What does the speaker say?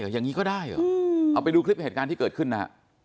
อย่างนี้ก็ได้เหรอเอาไปดูคลิปเหตุการณ์ที่เกิดขึ้นนะฮะ